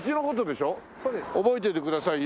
覚えといてくださいよ